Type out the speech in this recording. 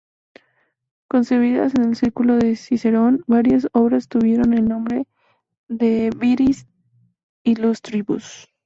Concebidas en el círculo de Cicerón, varias obras tuvieron el nombre "De viris illustribus.